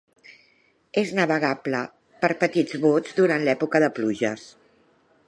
És navegable per petits bots durant l'època de pluges.